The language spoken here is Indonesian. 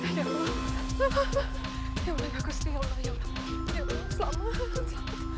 kemalannya sibuk buru buru banget